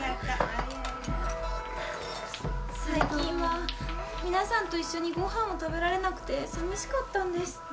最近は皆さんと一緒にご飯を食べられなくて寂しかったんです。